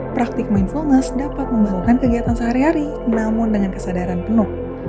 praktik mindfulness dapat membantukan kegiatan sehari hari namun dengan kesadaran penuh